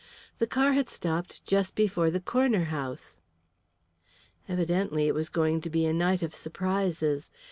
The car had stopped just before the corner house! Evidently it was going to be a night of surprises.